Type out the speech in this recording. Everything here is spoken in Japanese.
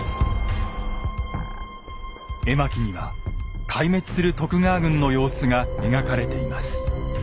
絵巻には壊滅する徳川軍の様子が描かれています。